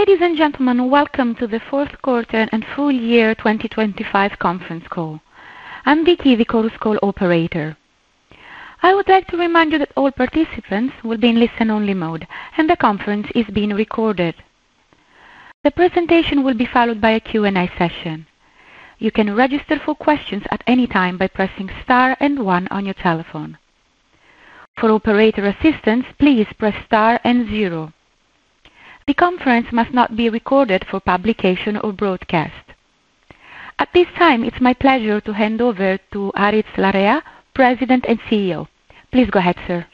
Ladies and gentlemen, welcome to the fourth quarter and full year 2025 conference call. I'm Vicky, the Chorus Call operator. I would like to remind you that all participants will be in listen-only mode, and the conference is being recorded. The presentation will be followed by a Q&A session. You can register for questions at any time by pressing star and 1 on your telephone. For operator assistance, please press star and 0. The conference must not be recorded for publication or broadcast. At this time, it's my pleasure to hand over to Aritz Larrea, President and CEO. Please go ahead, sir.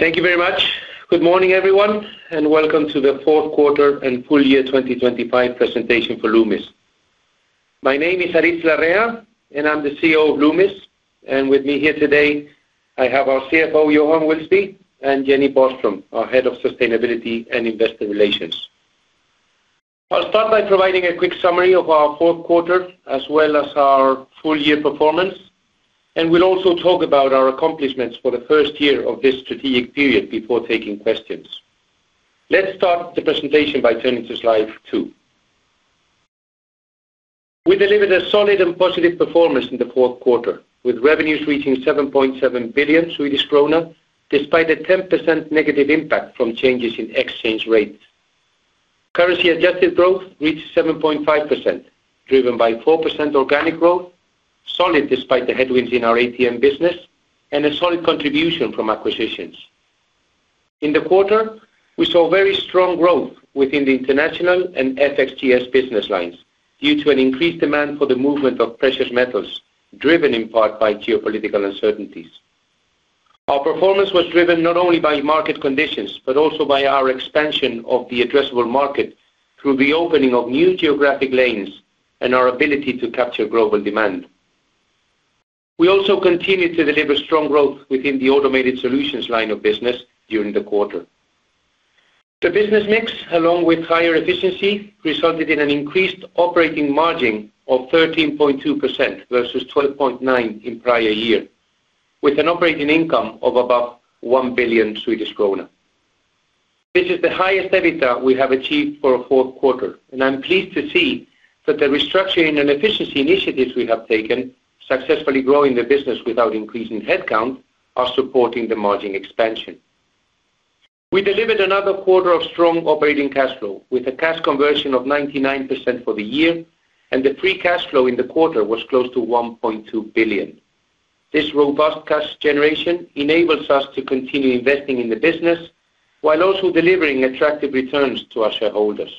Thank you very much. Good morning, everyone, and welcome to the fourth quarter and full year 2025 presentation for Loomis. My name is Aritz Larrea, and I'm the CEO of Loomis. And with me here today, I have our CFO, Johan Wilsby, and Jenny Boström, our Head of Sustainability and Investor Relations. I'll start by providing a quick summary of our fourth quarter as well as our full year performance, and we'll also talk about our accomplishments for the first year of this strategic period before taking questions. Let's start the presentation by turning to slide 2. We delivered a solid and positive performance in the fourth quarter, with revenues reaching 7.7 billion Swedish krona despite a 10% negative impact from changes in exchange rates. Currency-adjusted growth reached 7.5%, driven by 4% organic growth, solid despite the headwinds in our ATM business, and a solid contribution from acquisitions. In the quarter, we saw very strong growth within the International and FX & GS business lines due to an increased demand for the movement of precious metals, driven in part by geopolitical uncertainties. Our performance was driven not only by market conditions but also by our expansion of the addressable market through the opening of new geographic lanes and our ability to capture global demand. We also continued to deliver strong growth within the Automated Solutions line of business during the quarter. The business mix, along with higher efficiency, resulted in an increased operating margin of 13.2% versus 12.9% in prior year, with an operating income of above 1 billion Swedish krona. This is the highest EBITDA we have achieved for a fourth quarter, and I'm pleased to see that the restructuring and efficiency initiatives we have taken, successfully growing the business without increasing headcount, are supporting the margin expansion. We delivered another quarter of strong operating cash flow, with a cash conversion of 99% for the year, and the free cash flow in the quarter was close to 1.2 billion. This robust cash generation enables us to continue investing in the business while also delivering attractive returns to our shareholders.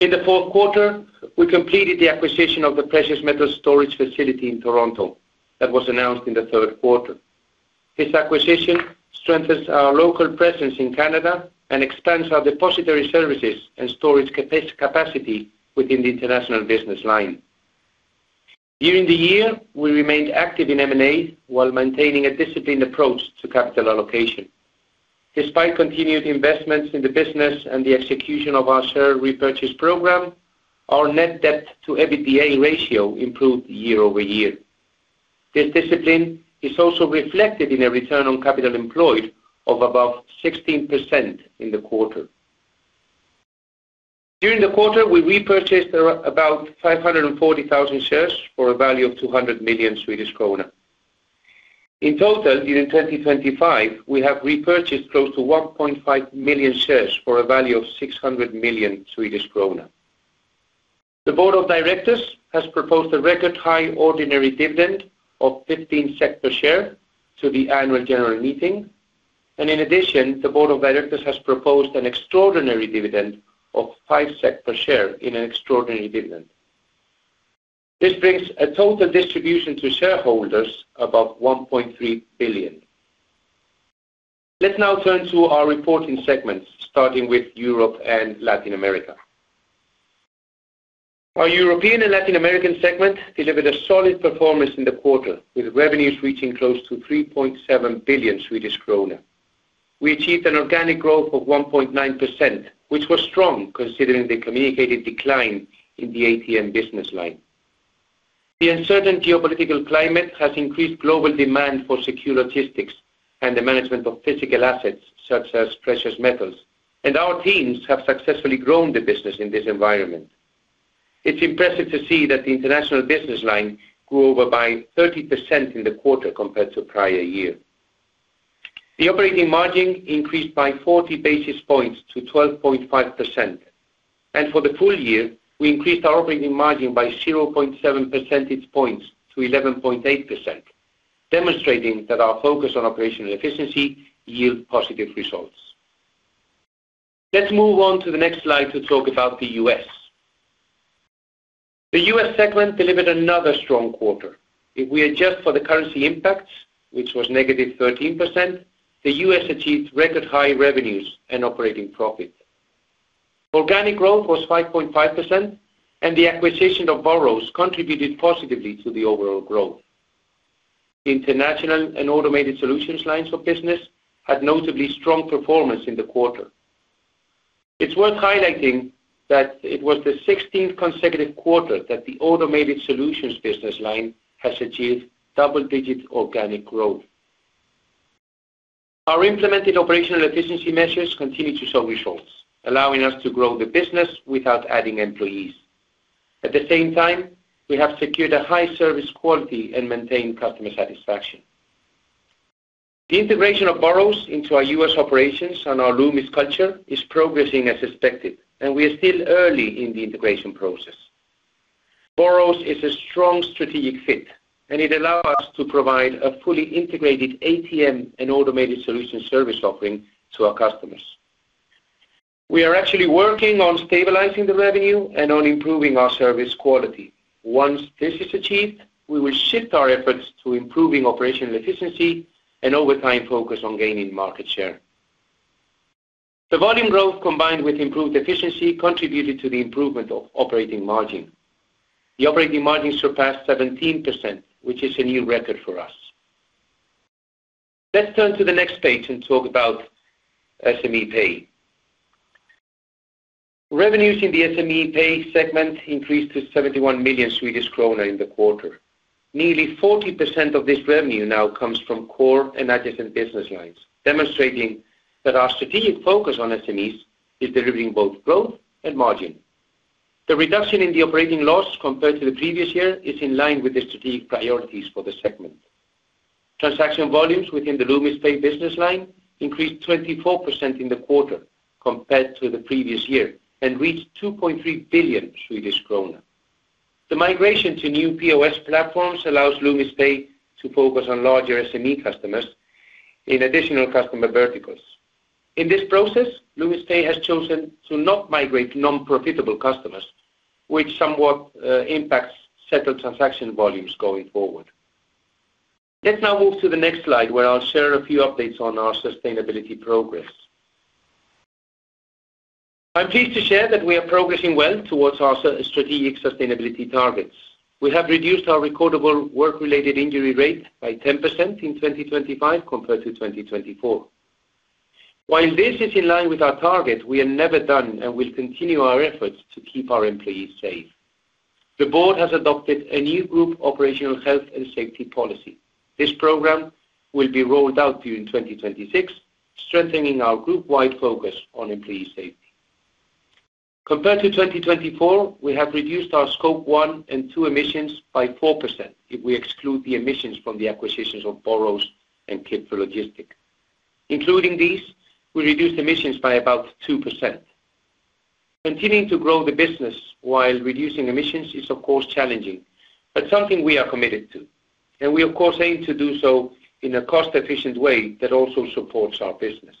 In the fourth quarter, we completed the acquisition of the precious metals storage facility in Toronto that was announced in the third quarter. This acquisition strengthens our local presence in Canada and expands our depository services and storage capacity within the international business line. During the year, we remained active in M&A while maintaining a disciplined approach to capital allocation. Despite continued investments in the business and the execution of our share repurchase program, our net debt-to-EBITDA ratio improved year-over-year. This discipline is also reflected in a return on capital employed of above 16% in the quarter. During the quarter, we repurchased about 540,000 shares for a value of 200 million Swedish krona. In total, during 2025, we have repurchased close to 1.5 million shares for a value of 600 million Swedish krona. The board of directors has proposed a record-high ordinary dividend of 15 SEK per share to the annual general meeting, and in addition, the board of directors has proposed an extraordinary dividend of 5 SEK per share in an extraordinary dividend. This brings a total distribution to shareholders above 1.3 billion. Let's now turn to our reporting segments, starting with Europe and Latin America. Our European and Latin American segment delivered a solid performance in the quarter, with revenues reaching close to 3.7 billion Swedish kronor. We achieved an organic growth of 1.9%, which was strong considering the communicated decline in the ATM business line. The uncertain geopolitical climate has increased global demand for secure logistics and the management of physical assets such as precious metals, and our teams have successfully grown the business in this environment. It's impressive to see that the international business line grew over by 30% in the quarter compared to prior year. The operating margin increased by 40 basis points to 12.5%, and for the full year, we increased our operating margin by 0.7 percentage points to 11.8%, demonstrating that our focus on operational efficiency yields positive results. Let's move on to the next slide to talk about the US. The US segment delivered another strong quarter. If we adjust for the currency impacts, which was negative 13%, the US achieved record-high revenues and operating profit. Organic growth was 5.5%, and the acquisition of Burroughs contributed positively to the overall growth. The international and automated solutions lines of business had notably strong performance in the quarter. It's worth highlighting that it was the 16th consecutive quarter that the automated solutions business line has achieved double-digit organic growth. Our implemented operational efficiency measures continue to show results, allowing us to grow the business without adding employees. At the same time, we have secured a high service quality and maintained customer satisfaction. The integration of Burroughs into our U.S. operations and our Loomis culture is progressing as expected, and we are still early in the integration process. Burroughs is a strong strategic fit, and it allows us to provide a fully integrated ATM and automated solution service offering to our customers. We are actually working on stabilizing the revenue and on improving our service quality. Once this is achieved, we will shift our efforts to improving operational efficiency and over time focus on gaining market share. The volume growth combined with improved efficiency contributed to the improvement of operating margin. The operating margin surpassed 17%, which is a new record for us. Let's turn to the next page and talk about SME Pay. Revenues in the SME Pay segment increased to 71 million Swedish kronor in the quarter. Nearly 40% of this revenue now comes from core and adjacent business lines, demonstrating that our strategic focus on SMEs is delivering both growth and margin. The reduction in the operating loss compared to the previous year is in line with the strategic priorities for the segment. Transaction volumes within the Loomis Pay business line increased 24% in the quarter compared to the previous year and reached 2.3 billion Swedish kronor. The migration to new POS platforms allows Loomis Pay to focus on larger SME customers in additional customer verticals. In this process, Loomis Pay has chosen to not migrate non-profitable customers, which somewhat impacts settled transaction volumes going forward. Let's now move to the next slide, where I'll share a few updates on our sustainability progress. I'm pleased to share that we are progressing well towards our strategic sustainability targets. We have reduced our recordable work-related injury rate by 10% in 2025 compared to 2024. While this is in line with our target, we are never done and will continue our efforts to keep our employees safe. The board has adopted a new group operational health and safety policy. This program will be rolled out during 2026, strengthening our group-wide focus on employee safety. Compared to 2024, we have reduced our Scope 1 and 2 emissions by 4% if we exclude the emissions from the acquisitions of Burroughs and Kipfer-Logistik. Including these, we reduced emissions by about 2%. Continuing to grow the business while reducing emissions is, of course, challenging, but something we are committed to, and we, of course, aim to do so in a cost-efficient way that also supports our business.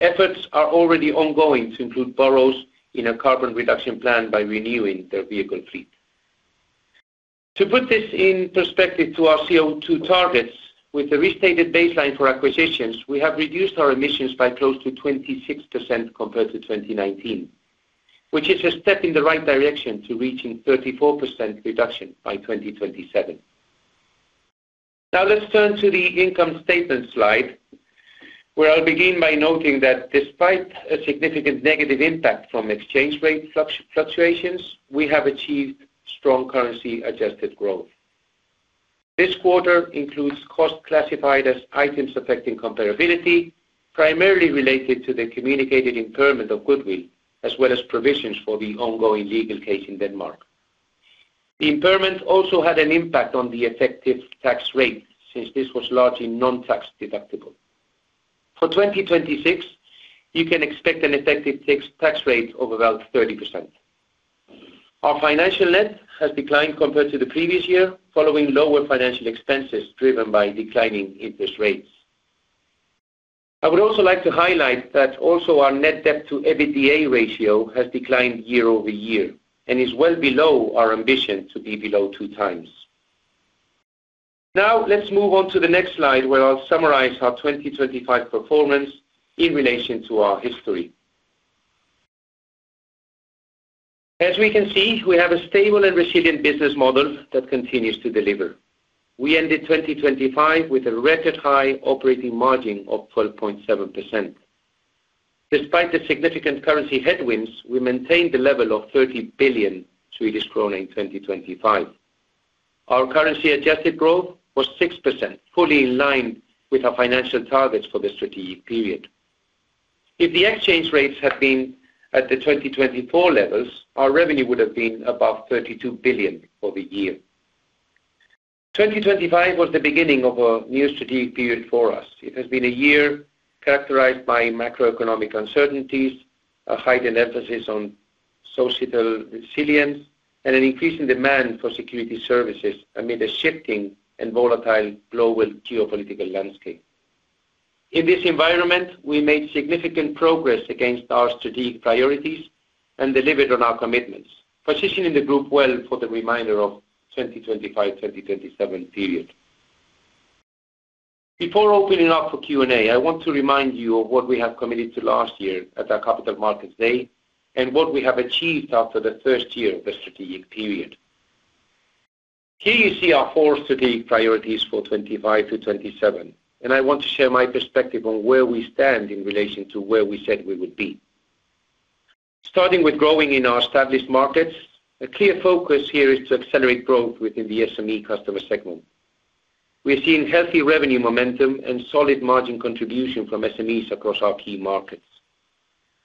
Efforts are already ongoing to include Burroughs in a carbon reduction plan by renewing their vehicle fleet. To put this in perspective to our CO2 targets, with the restated baseline for acquisitions, we have reduced our emissions by close to 26% compared to 2019, which is a step in the right direction to reaching 34% reduction by 2027. Now, let's turn to the income statement slide, where I'll begin by noting that despite a significant negative impact from exchange rate fluctuations, we have achieved strong currency-adjusted growth. This quarter includes costs classified as items affecting comparability, primarily related to the communicated impairment of goodwill, as well as provisions for the ongoing legal case in Denmark. The impairment also had an impact on the effective tax rate since this was largely non-tax deductible. For 2026, you can expect an effective tax rate of about 30%. Our financial net has declined compared to the previous year following lower financial expenses driven by declining interest rates. I would also like to highlight that also our net debt-to-EBITDA ratio has declined year-over-year and is well below our ambition to be below 2x. Now, let's move on to the next slide, where I'll summarize our 2025 performance in relation to our history. As we can see, we have a stable and resilient business model that continues to deliver. We ended 2025 with a record-high operating margin of 12.7%. Despite the significant currency headwinds, we maintained the level of 30 billion Swedish krona in 2025. Our currency-adjusted growth was 6%, fully in line with our financial targets for the strategic period. If the exchange rates had been at the 2024 levels, our revenue would have been above 32 billion for the year. 2025 was the beginning of a new strategic period for us. It has been a year characterized by macroeconomic uncertainties, a heightened emphasis on societal resilience, and an increasing demand for security services amid a shifting and volatile global geopolitical landscape. In this environment, we made significant progress against our strategic priorities and delivered on our commitments, positioning the group well for the remainder of the 2025-2027 period. Before opening up for Q&A, I want to remind you of what we have committed to last year at our Capital Markets Day and what we have achieved after the first year of the strategic period. Here you see our four strategic priorities for 2025 to 2027, and I want to share my perspective on where we stand in relation to where we said we would be. Starting with growing in our established markets, a clear focus here is to accelerate growth within the SME customer segment. We are seeing healthy revenue momentum and solid margin contribution from SMEs across our key markets.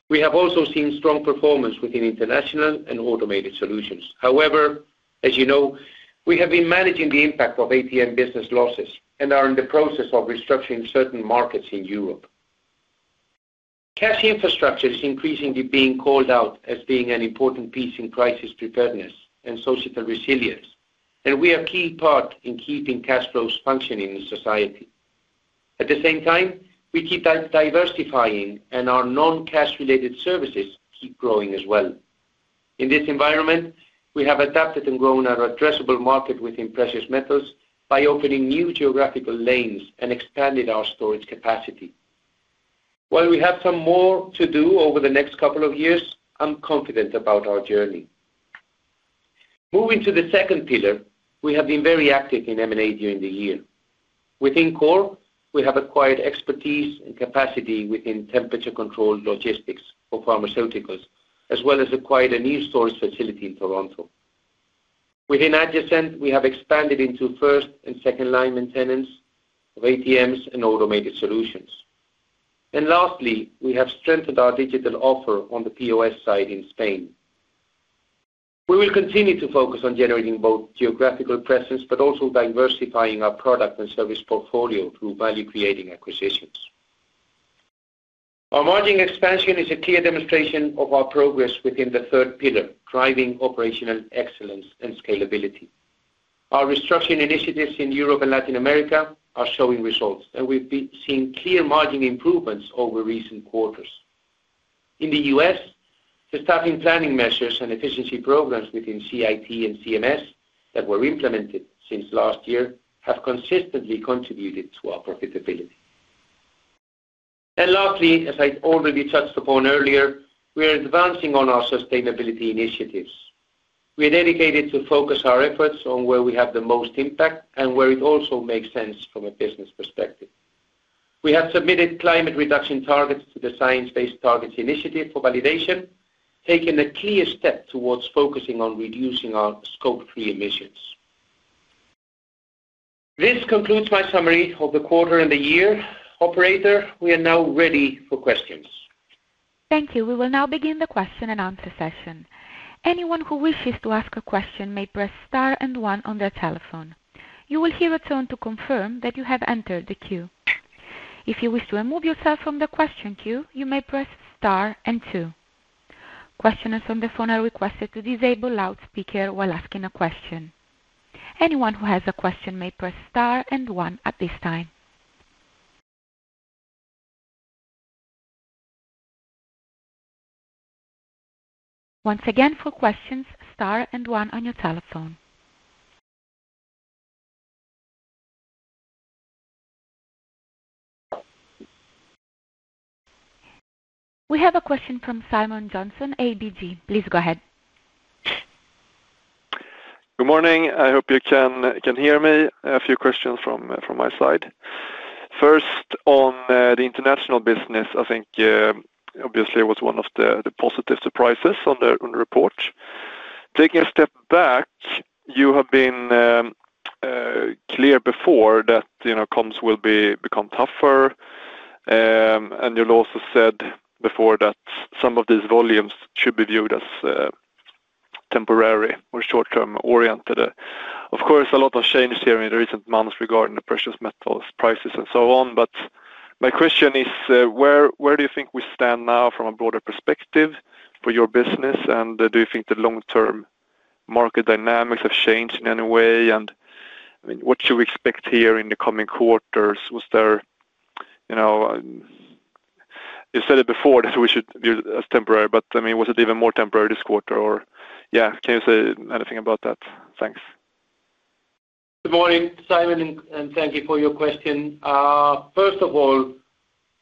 We have also seen strong performance within international and Automated Solutions. However, as you know, we have been managing the impact of ATM business losses and are in the process of restructuring certain markets in Europe. Cash infrastructure is increasingly being called out as being an important piece in crisis preparedness and societal resilience, and we are a key part in keeping cash flows functioning in society. At the same time, we keep diversifying, and our non-cash-related services keep growing as well. In this environment, we have adapted and grown our addressable market within precious metals by opening new geographical lanes and expanded our storage capacity. While we have some more to do over the next couple of years, I'm confident about our journey. Moving to the second pillar, we have been very active in M&A during the year. Within core, we have acquired expertise and capacity within temperature-controlled logistics for pharmaceuticals, as well as acquired a new storage facility in Toronto. Within adjacent, we have expanded into first and second-line maintenance of ATMs and automated solutions. And lastly, we have strengthened our digital offer on the POS side in Spain. We will continue to focus on generating both geographical presence but also diversifying our product and service portfolio through value-creating acquisitions. Our margin expansion is a clear demonstration of our progress within the third pillar, driving operational excellence and scalability. Our restructuring initiatives in Europe and Latin America are showing results, and we've seen clear margin improvements over recent quarters. In the U.S., the staffing planning measures and efficiency programs within CIT and CMS that were implemented since last year have consistently contributed to our profitability. And lastly, as I already touched upon earlier, we are advancing on our sustainability initiatives. We are dedicated to focus our efforts on where we have the most impact and where it also makes sense from a business perspective. We have submitted climate reduction targets to the Science Based Targets Initiative for validation, taking a clear step towards focusing on reducing our Scope 3 emissions. This concludes my summary of the quarter and the year. Operator, we are now ready for questions. Thank you. We will now begin the question and answer session. Anyone who wishes to ask a question may press star and one on their telephone. You will hear a tone to confirm that you have entered the queue. If you wish to remove yourself from the question queue, you may press star and two. Questioners on the phone are requested to disable loudspeaker while asking a question. Anyone who has a question may press star and one at this time. Once again, for questions, star and one on your telephone. We have a question from Simon Jönsson, ABG. Please go ahead. Good morning. I hope you can hear me. A few questions from my side. First, on the international business, I think obviously it was one of the positive surprises on the report. Taking a step back, you have been clear before that comps will become tougher, and you've also said before that some of these volumes should be viewed as temporary or short-term oriented. Of course, a lot has changed here in the recent months regarding the precious metals prices and so on, but my question is, where do you think we stand now from a broader perspective for your business, and do you think the long-term market dynamics have changed in any way? What should we expect here in the coming quarters? As you said it before that we should view it as temporary, but was it even more temporary this quarter, or? Yeah, can you say anything about that? Thanks. Good morning, Simon, and thank you for your question. First of all,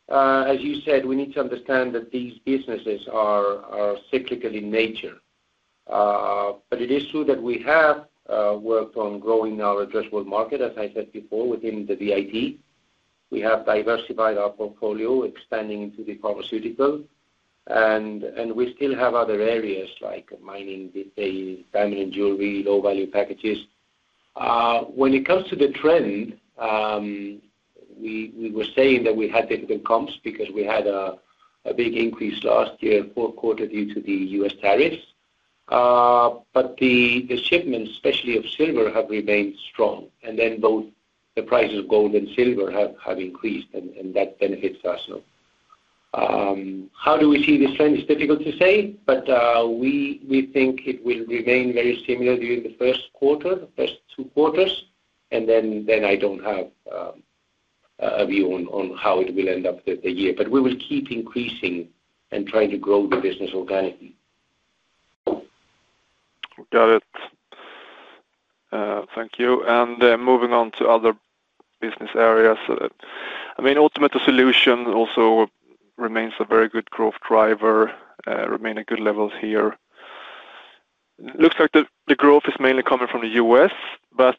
as you said, we need to understand that these businesses are cyclical in nature. It is true that we have worked on growing our addressable market, as I said before, within the VIT. We have diversified our portfolio, expanding into the pharmaceutical, and we still have other areas like mining, diamond and jewelry, low-value packages. When it comes to the trend, we were saying that we had difficult comps because we had a big increase last year fourth quarter due to the U.S. tariffs, but the shipments, especially of silver, have remained strong, and then both the prices of gold and silver have increased, and that benefits us. How do we see this trend is difficult to say, but we think it will remain very similar during the first quarter, the first two quarters, and then I don't have a view on how it will end up the year. But we will keep increasing and trying to grow the business organically. Got it. Thank you. And moving on to other business areas. I mean, Automated Solutions also remain a very good growth driver, remain at good levels here. Looks like the growth is mainly coming from the U.S., but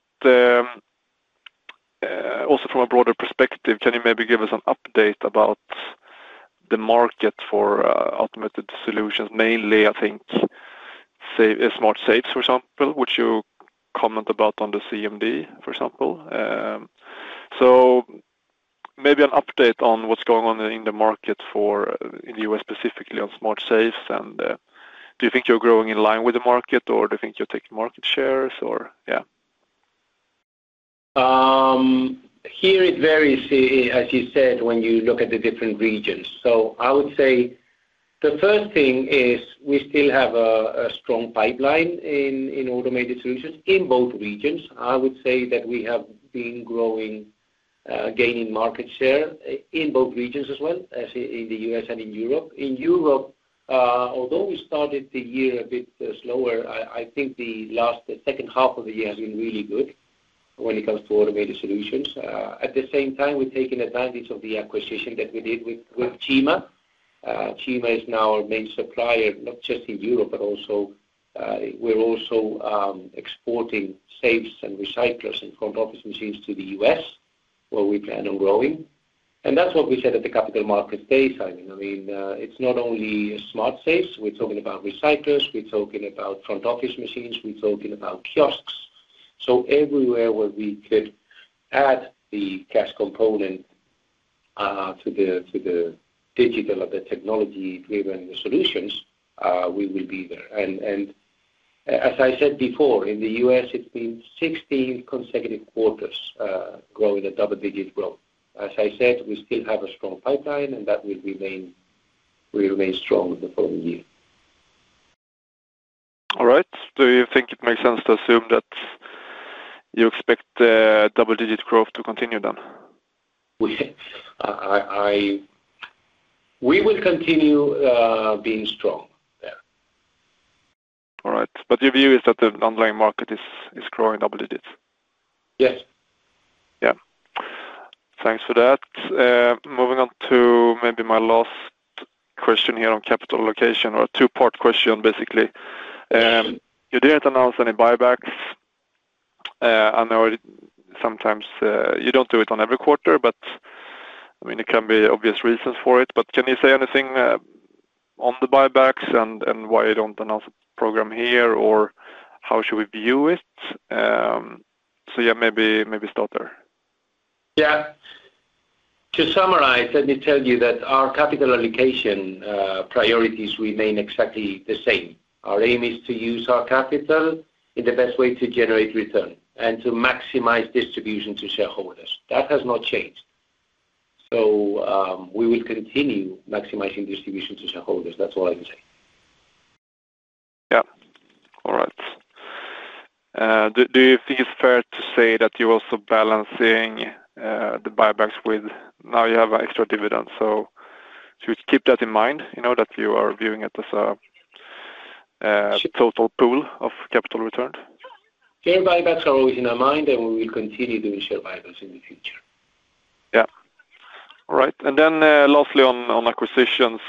also from a broader perspective, can you maybe give us an update about the market for automated solutions? Mainly, I think, smart safes, for example, which you commented about on the CMD, for example. So maybe an update on what's going on in the market in the U.S. specifically on smart safes. And do you think you're growing in line with the market, or do you think you're taking market shares, or? Yeah. Here it varies, as you said, when you look at the different regions. So I would say the first thing is we still have a strong pipeline in automated solutions in both regions. I would say that we have been gaining market share in both regions as well, in the U.S. and in Europe. In Europe, although we started the year a bit slower, I think the second half of the year has been really good when it comes to automated solutions. At the same time, we're taking advantage of the acquisition that we did with CIMA. CIMA is now our main supplier, not just in Europe, but we're also exporting safes and recyclers and front-office machines to the U.S., where we plan on growing. And that's what we said at the Capital Markets Day, Simon. I mean, it's not only smart safes. We're talking about recyclers. We're talking about front-office machines. We're talking about kiosks. So everywhere where we could add the cash component to the digital or the technology-driven solutions, we will be there. And as I said before, in the U.S., it's been 16 consecutive quarters growing a double-digit growth. As I said, we still have a strong pipeline, and that will remain strong the following year. All right. Do you think it makes sense to assume that you expect double-digit growth to continue then? We will continue being strong there. All right. But your view is that the underlying market is growing double digits? Yes. Yeah. Thanks for that. Moving on to maybe my last question here on capital allocation, or a two-part question, basically. You didn't announce any buybacks. I know sometimes you don't do it on every quarter, but I mean, there can be obvious reasons for it. But can you say anything on the buybacks and why you don't announce a program here, or how should we view it? So yeah, maybe start there. Yeah. To summarize, let me tell you that our capital allocation priorities remain exactly the same. Our aim is to use our capital in the best way to generate return and to maximize distribution to shareholders. That has not changed. So we will continue maximizing distribution to shareholders. That's all I can say. Yeah. All right. Do you think it's fair to say that you're also balancing the buybacks with now you have extra dividends, so should we keep that in mind, that you are viewing it as a total pool of capital returned? Share buybacks are always in our mind, and we will continue doing share buybacks in the future. Yeah. All right. And then lastly, on acquisitions,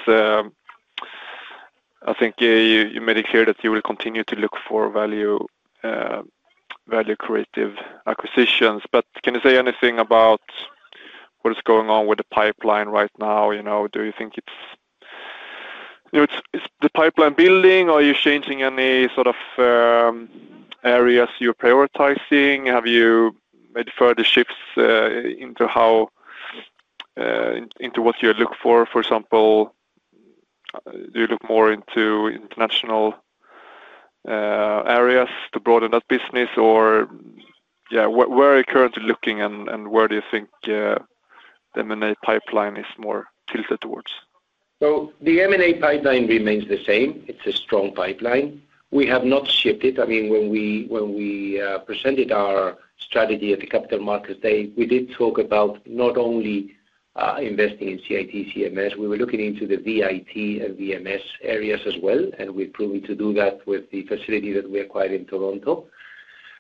I think you made it clear that you will continue to look for value-creative acquisitions. But can you say anything about what is going on with the pipeline right now? Do you think it's the pipeline building, or are you changing any sort of areas you're prioritizing? Have you made further shifts into what you look for? For example, do you look more into international areas to broaden that business, or? Yeah, where are you currently looking, and where do you think the M&A pipeline is more tilted towards? So the M&A pipeline remains the same. It's a strong pipeline. We have not shifted. I mean, when we presented our strategy at the Capital Markets Day, we did talk about not only investing in CIT, CMS. We were looking into the VIP and VMS areas as well, and we've proven to do that with the facility that we acquired in Toronto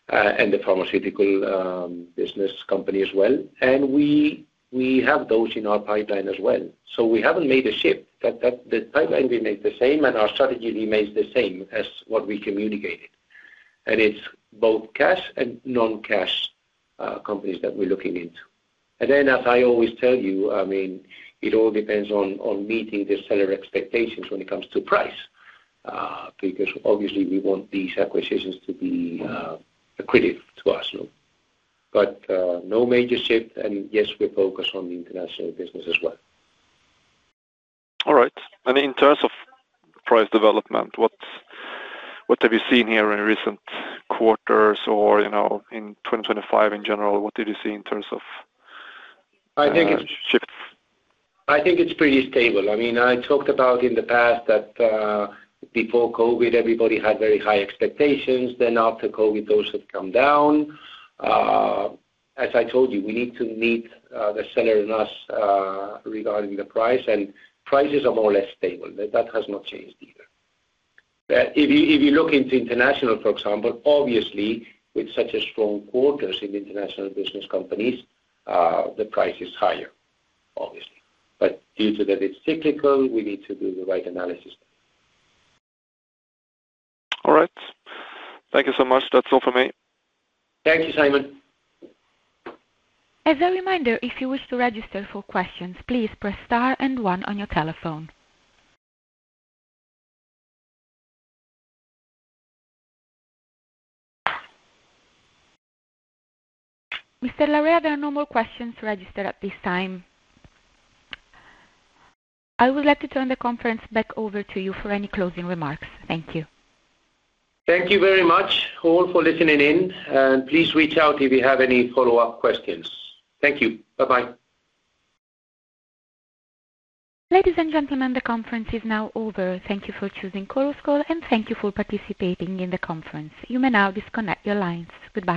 and the pharmaceutical business company as well. And we have those in our pipeline as well. So we haven't made a shift. The pipeline remains the same, and our strategy remains the same as what we communicated. It's both cash and non-cash companies that we're looking into. And then, as I always tell you, I mean, it all depends on meeting the seller expectations when it comes to price because, obviously, we want these acquisitions to be equitable to us. But no major shift, and yes, we focus on the international business as well. All right. I mean, in terms of price development, what have you seen here in recent quarters or in 2025 in general? What did you see in terms of shifts? I think it's pretty stable. I mean, I talked about in the past that before COVID, everybody had very high expectations. Then after COVID, those have come down. As I told you, we need to meet the seller and us regarding the price, and prices are more or less stable. That has not changed either. If you look into international, for example, obviously, with such strong quarters in international business companies, the price is higher, obviously. But due to that it's cyclical, we need to do the right analysis. All right. Thank you so much. That's all from me. Thank you, Simon. As a reminder, if you wish to register for questions, please press star and one on your telephone. Mr. Larrea, there are no more questions registered at this time. I would like to turn the conference back over to you for any closing remarks. Thank you. Thank you very much, all, for listening in, and please reach out if you have any follow-up questions. Thank you. Bye-bye. Ladies and gentlemen, the conference is now over. Thank you for choosing Chorus Call, and thank you for participating in the conference. You may now disconnect your lines. Goodbye.